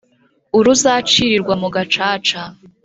uruzacirirwa mu gacaca